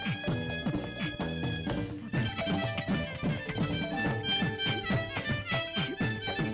keromong tukang tukang tabuh sepuluh aku suka apa tuh bertabuh di hatinya ya rapun